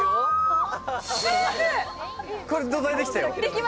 これ土台できたよ。